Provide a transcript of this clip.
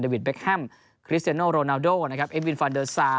วิทเบคแฮมคริสเซโนโรนาโดนะครับเอฟวินฟานเดอร์ซา